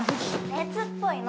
熱っぽいの。